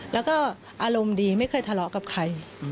แล้วก็อารมณ์ดีไม่เคยทะเลาะกับใคร